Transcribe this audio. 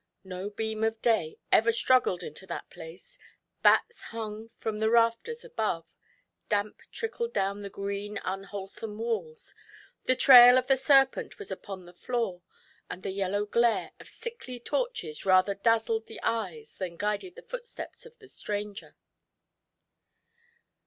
No beam of day ever struggled into that place, bats hung from the rafters above, damp trickled down the green un wholesome walls, the trail of the serpent was upon the floor, and the yellow glare of sickly torches rather dazzled the eyes than guided the footsteps of the stranger.